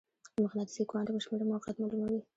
د مقناطیسي کوانټم شمېره موقعیت معلوموي.